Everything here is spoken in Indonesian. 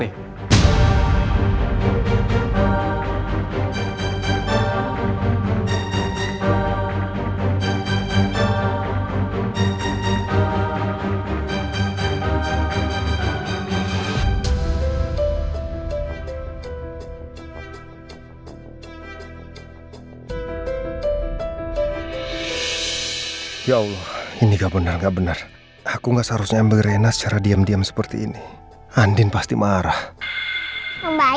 sekarang bersihkannya dengan mereka